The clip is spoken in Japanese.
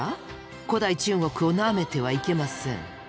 古代中国をなめてはいけません。